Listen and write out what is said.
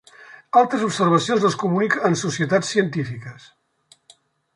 Altres observacions les comunica en societats científiques.